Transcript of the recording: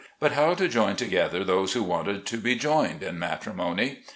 but how to join together those who wanted to be joined in matrimony.